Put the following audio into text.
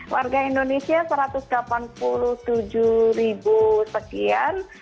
warga indonesia satu ratus delapan puluh tujuh ribu sekian